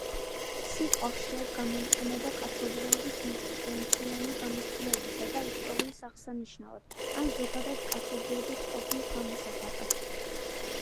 სიტყვა ხშირად გამოიყენება კაცობრიობის მთლიანი გამოცდილებისა და ისტორიის აღსანიშნავად, ან ზოგადად კაცობრიობის ყოფის გამოსახატად.